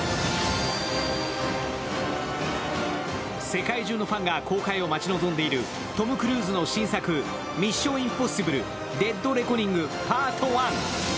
世界中のファンが公開を待ち望んでいるトム・クルーズの新作、「ミッション：インポッシブル／デッドレコニングＰＡＲＴＯＮＥ」。